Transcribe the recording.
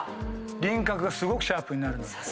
輪郭がすごくシャープになるので。